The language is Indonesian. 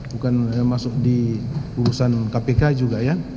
bukan masuk di urusan kpk juga ya